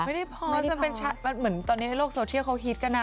ไม่ได้พอร์สเหมือนตอนนี้ในโลกโซเชียลเขาฮิตกันอ่ะ